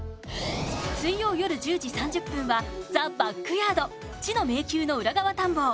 水曜、夜１０時３０分は「ザ・バックヤード知の迷宮の裏側探訪」。